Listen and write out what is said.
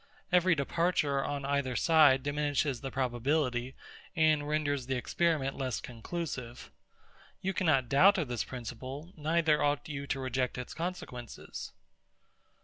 Every departure on either side diminishes the probability, and renders the experiment less conclusive. You cannot doubt of the principle; neither ought you to reject its consequences.